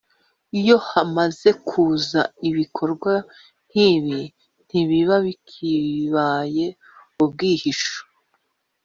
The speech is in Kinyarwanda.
iyo hamaze kuza ibikorwa nk’ibi ntibiba bikibaye ubwihisho »